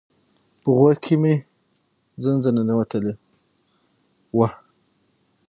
په غوږ کی می زنځه ننوتلی وه